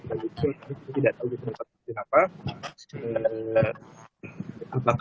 tapi kita tidak tahu itu kenapa